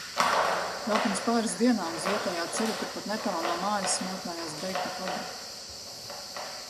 Vēl pirms pāris dienām uz vietējā ceļa, turpat netālu no mājas, mētājās beigta kobra.